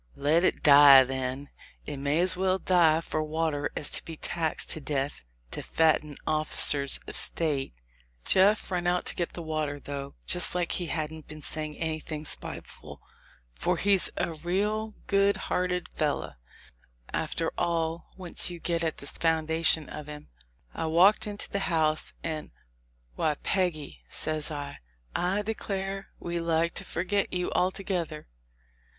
"Let it die, then; it may as well die for water^as to be taxed to death to fatten officers of State." Jeff run off to get the water, though, just like he hadn't been saying anything spiteful for he's a raal good hearted fellow, after all, once you get at the foundation of him. I walked into the house, and, "Why, Peggy," says I, "declare we like to forgot you altogether."